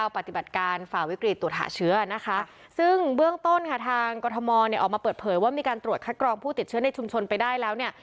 ปฏิบัติการฝ่าวิกฤตตรวจหาเชื้อนะคะซึ่งเบื้องต้นค่ะทางกรทมเนี่ยออกมาเปิดเผยว่ามีการตรวจคัดกรองผู้ติดเชื้อในชุมชนไปได้แล้วเนี่ย